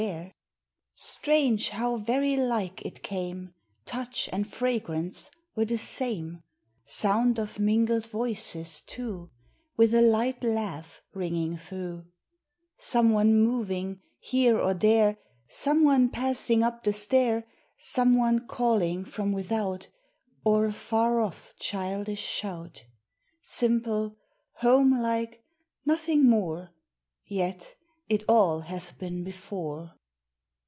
MEMORY. 305 Strange ! how very like it came ! Touch and fragrance were the same ; Sound of mingled voices, too, With a light laugh ringing through ; Some one moving, — here or there, — Some one passing up the stair, Some one calling from without, Or a far off childish shout, — Simple, home like, nothing more, Yet it all hath been before